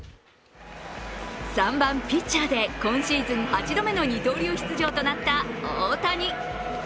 ３番・ピッチャーやで今シーズン８度目の二刀流出場となった大谷。